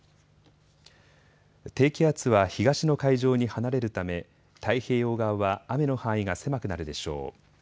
低気圧は東の海上に離れるため太平洋側は雨の範囲が狭くなるでしょう。